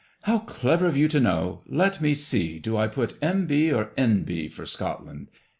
How clever of you to know I Let me see, do I put M.B. or N.B. for Scotland